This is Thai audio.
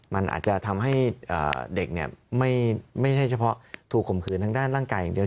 มันอาจจะทำให้เด็กไม่ใช่เฉพาะถูกข่มขืนทางด้านร่างกายอย่างเดียว